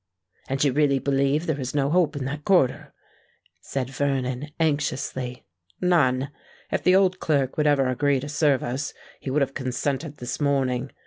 "And you really believe there is no hope in that quarter?" said Vernon, anxiously. "None. If the old clerk would ever agree to serve us, he would have consented this morning.